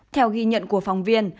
theo ghi nhận của phòng viên